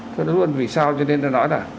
thế đó luôn vì sao cho nên nó nói là